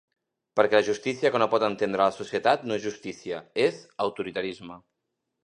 Perquè la justícia que no pot entendre la societat no és justícia, és autoritarisme.